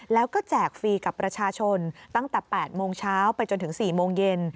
แล้วก็แจกฟรีกับประชาชนตั้งแต่๘โมงเช้าไปจนถึง๔โมงเย็น